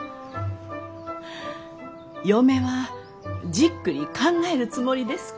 嫁はじっくり考えるつもりですき。